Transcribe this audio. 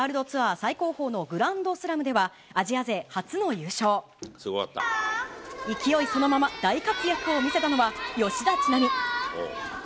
最高峰のグランドスラムでは、アジア勢初の優勝。勢いそのまま、大活躍を見せたのは、吉田知那美。